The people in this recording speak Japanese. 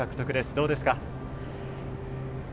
どうですか？